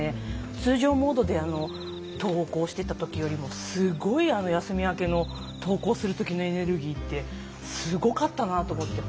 通常モードで登校してたときより休み明けに登校する時のエネルギーってすごかったなと思って。